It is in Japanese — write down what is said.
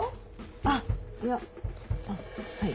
あっいやあっはい。